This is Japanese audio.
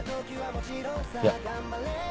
いや。